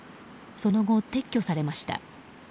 その後、撤去されました。